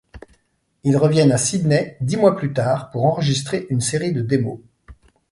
Ils reviennent à Sydney dix mois plus tard pour enregistrer une série de démos.